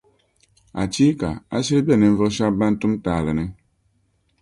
Achiika! A shiri be ninvuɣu shɛba ban tum taali ni.